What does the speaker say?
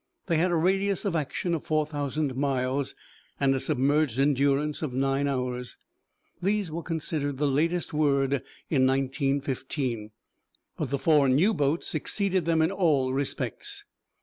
They had a radius of action of four thousand miles and a submerged endurance of nine hours. These were considered the latest word in 1915, but the four new boats exceeded them in all respects.